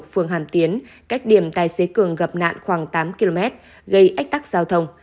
phường hàm tiến cách điểm tài xế cường gặp nạn khoảng tám km gây ách tắc giao thông